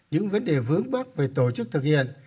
những vấn đề vướng bắc về tổ chức thực hiện